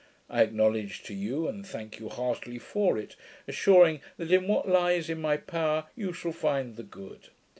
I acknowledge to you, and thank you heartily for it assuring, that in what lies in my power, you shall find the good.